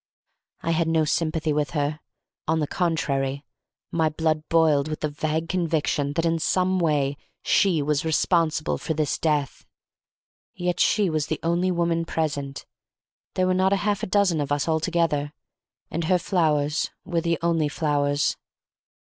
I had no sympathy with her; on the contrary, my blood boiled with the vague conviction that in some way she was responsible for this death. Yet she was the only woman present—there were not a half a dozen of us altogether—and her flowers were the only flowers.